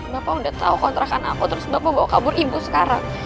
bapak udah tahu kontrakan aku terus bapak bawa kabur ibu sekarang